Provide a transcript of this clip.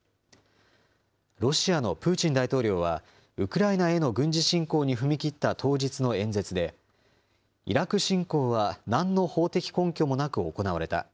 ロシアのプーチン大統領は、ウクライナへの軍事侵攻に踏み切った当日の演説で、イラク侵攻はなんの法的根拠もなく行われた。